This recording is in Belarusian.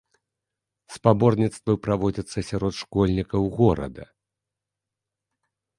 Спаборніцтвы праводзяцца сярод школьнікаў горада.